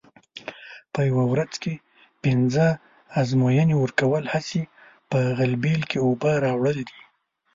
په یوه ورځ کې پینځه ازموینې ورکول هسې په غلبېل کې اوبه راوړل دي.